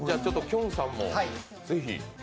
きょんさんもぜひ。